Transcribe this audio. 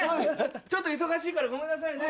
ちょっと忙しいからごめんなさいね。